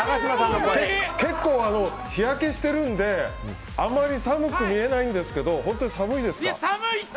結構、日焼けしてるのであんまり寒く見えないんですけど寒いって！